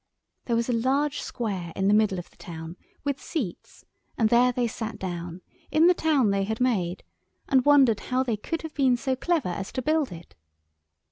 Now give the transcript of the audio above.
There was a large square in the middle of the town, with seats, and there they sat down, in the town they had made, and wondered how they could have been so clever as to build it.